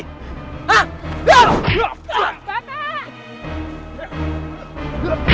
kenapa dia mengirim kalian kemari